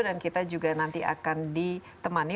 dan kita juga nanti akan ditemani